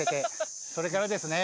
それからですね。